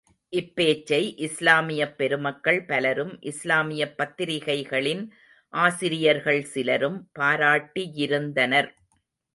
இப்பேச்சை இஸ்லாமியப் பெருமக்கள் பலரும், இஸ்லாமியப் பத்திரிகைகளின் ஆசிரியர்கள் சிலரும் பாராட்டியிருந்தனர்.